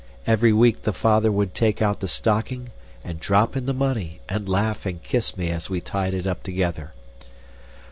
Every week the father would take out the stocking and drop in the money and laugh and kiss me as we tied it up together.